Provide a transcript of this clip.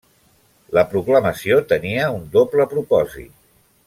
La proclamació tenia un doble propòsit.